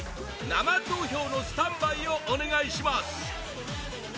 生投票のスタンバイをお願いします